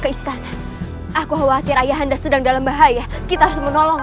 ke istana aku khawatir ayah anda sedang dalam bahaya kita harus menolong